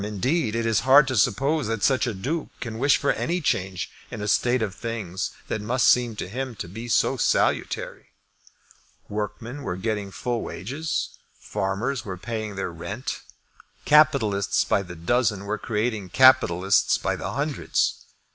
Indeed it is hard to suppose that such a Duke can wish for any change in a state of things that must seem to him to be so salutary. Workmen were getting full wages. Farmers were paying their rent. Capitalists by the dozen were creating capitalists by the hundreds.